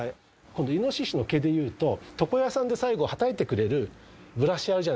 今度イノシシの毛でいうと床屋さんで最後はたいてくれるブラシあるじゃないですか